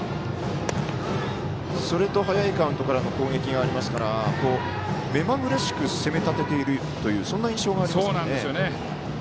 それと早いカウントから攻撃がありますから目まぐるしく攻めたてているそんな印象がありますね。